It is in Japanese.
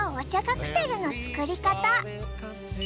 カクテルの作り方。